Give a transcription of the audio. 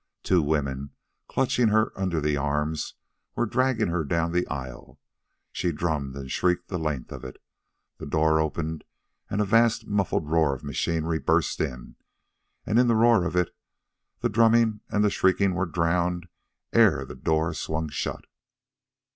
Two women, clutching her under the arms, were dragging her down the aisle. She drummed and shrieked the length of it. The door opened, and a vast, muffled roar of machinery burst in; and in the roar of it the drumming and the shrieking were drowned ere the door swung shut.